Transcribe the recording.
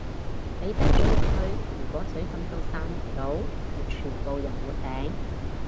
你低咗入去如果水浸到散唔到係全部人沒頂